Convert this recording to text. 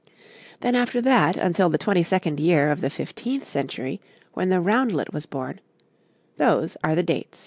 Then, after that, until the twenty second year of the fifteenth century, when the roundlet was born those are the dates.